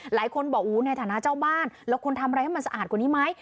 หลายคนบอกในฐานะเจ้าบ้านเราควรทำอะไรให้มันสะอาดกว่านี้ไหม